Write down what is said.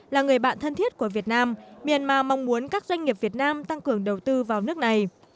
là người bạn thân thiết của việt nam myanmar mong muốn các doanh nghiệp việt nam tăng cường đầu tư vào nước này